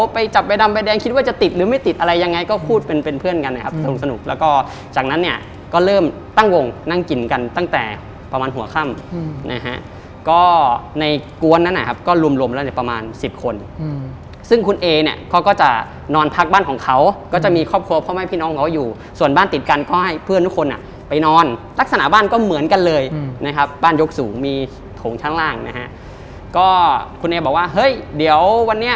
ไปจับใบดำใบแดงคิดว่าจะติดหรือไม่ติดอะไรยังไงก็พูดเป็นเพื่อนกันนะครับสนุกแล้วก็จากนั้นเนี่ยก็เริ่มตั้งวงนั่งกินกันตั้งแต่ประมาณหัวค่ำนะฮะก็ในกวนนั้นนะครับก็รวมแล้วเนี่ยประมาณ๑๐คนซึ่งคุณเอเนี่ยเขาก็จะนอนพักบ้านของเขาก็จะมีครอบครัวเพราะไม่พี่น้องเขาอยู่ส่วนบ้านติดกันก็ให้เพื่อน